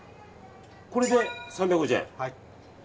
これで３５０円。